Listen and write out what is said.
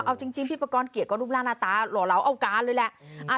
เอาจริงพี่ประกอบเกียรติก็รูปร่างหน้าตาหล่อเหลาเอาการเลยแหละ